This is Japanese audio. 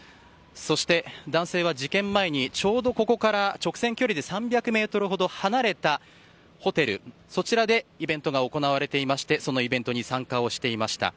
そして、男性は事件前にちょうどここから直線距離で３００ｍほど離れたホテルそちらでイベントが行われていましてそのイベントに参加をしていました。